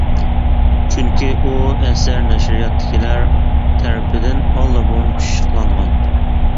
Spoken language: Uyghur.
چۈنكى ئۇ ئەسەر نەشرىياتتىكىلەر تەرىپىدىن ئاللىبۇرۇن پىششىقلانغان.